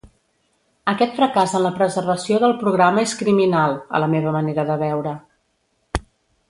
Aquest fracàs en la preservació del programa és criminal, a la meva manera de veure.